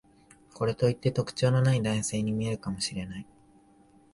これといって特徴のない男性に見えるかもしれない